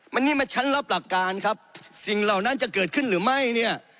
วันนี้มาชั้นรับหลักการครับสิ่งเหล่านั้นจะเกิดขึ้นหรือไม่เนี่ย